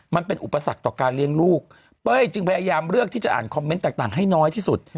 มันเป็นอุปสรรคต่อการเลี้ยงลูกเป้ยจึงพยายามเลือกที่จะอ่านคอมเมนต์ต่างให้น้อยที่สุด